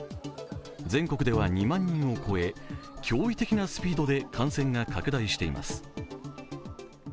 全国では２万人を超え、驚異的なスピードで感染が拡大しています。